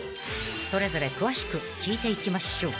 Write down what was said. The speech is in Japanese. ［それぞれ詳しく聞いていきましょう］